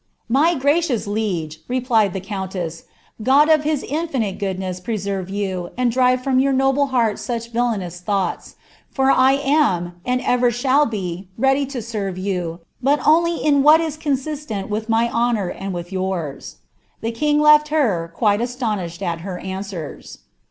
"'My gracious liege,' replied the countess, ' God of his infinite good* nrss preserve you, and drive from your noble heart such villanous ihon^lits; for 1 am, and ever shall be, ready lo serve you, but only in wiial is consistent with my honour and with yours.' "Tbe king leA her, quite astonished at her answers."